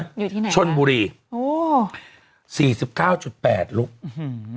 อยู่ที่ไหนชนบุรีโอ้สี่สิบเก้าจุดแปดลูกอื้อหือ